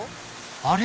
あれ？